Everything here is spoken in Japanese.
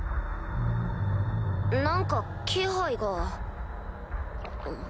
何か気配が。